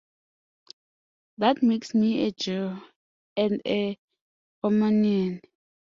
That makes me a Jew, and a Romanian.